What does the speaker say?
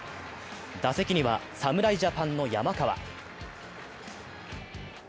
打席には侍ジャパンの山川。